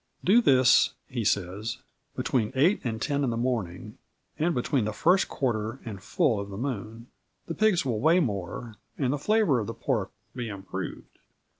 "Do this," he says, "between eight and ten in the morning, and between the first quarter and full of the Moon; the pigs will weigh more, and the flavour of the pork be improved."